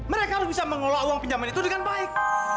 mereka harus bisa mengelola uang pinjaman itu dengan baik